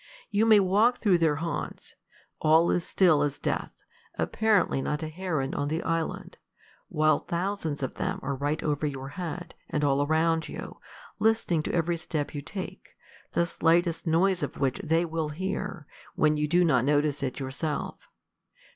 You may walk through their haunts: all is still as death, apparently not a heron on the island, while thousands of them are right over your head, and all around you, listening to every step you take, the slightest noise of which they will hear, when you do not notice it yourself.